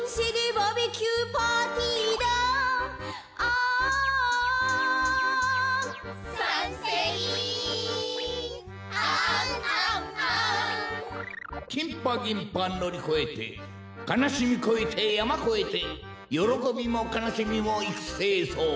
「バーベキューパーティーだあああああんあんあん」「さんせいんああんあんあん」きんぱぎんぱのりこえてかなしみこえてやまこえてよろこびもかなしみもいくせいそう。